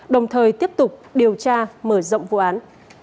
đồng thời tiếp tục điều tra mở rộng vụ án